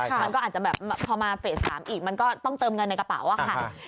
มันก็อาจจะแบบพอมาเฟส๓อีกมันก็ต้องเติมเงินในกระเป๋าอะค่ะ